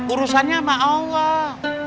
urusannya sama allah